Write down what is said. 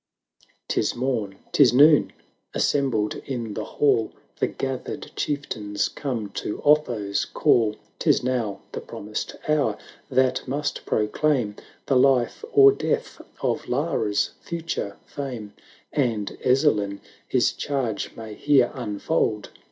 'Tis morn — 'tis noon — assembled in the hall. The gathered Chieftains come to Otho's call; 'Tis now the promised hour, that must proclaim The life or death of Lara's future fame; And Ezzelin his charge may here un fold.